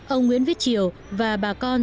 ông nguyễn viết triều và bà con